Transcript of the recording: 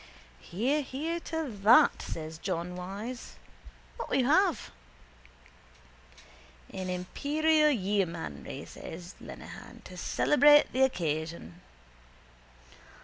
—Hear, hear to that, says John Wyse. What will you have? —An imperial yeomanry, says Lenehan, to celebrate the occasion.